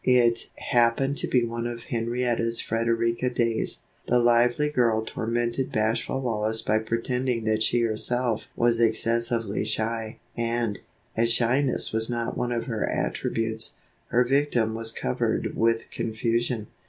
It happened to be one of Henrietta's "Frederika" days. The lively girl tormented bashful Wallace by pretending that she herself was excessively shy, and, as shyness was not one of her attributes, her victim was covered with confusion.